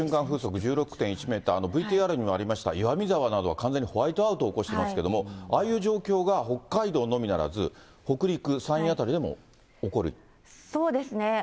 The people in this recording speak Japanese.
風速１６．１メートル、ＶＴＲにもありました、岩見沢などは完全にホワイトアウトを起こしていますけれども、ああいう状況が北海道のみならず、北陸、そうですね。